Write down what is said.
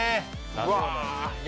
うわ！